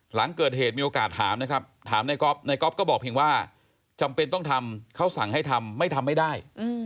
หลังเกิดเหตุมีโอกาสถามนะครับถามนายก๊อฟในก๊อฟก็บอกเพียงว่าจำเป็นต้องทำเขาสั่งให้ทำไม่ทำไม่ได้